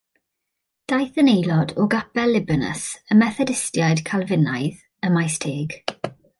Daeth yn aelod o Gapel Libanus, Y Methodistiaid Calfinaidd, ym Maesteg.